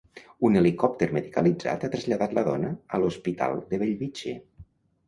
Un helicòpter medicalitzat ha traslladat la dona a l'Hospital de Bellvitge.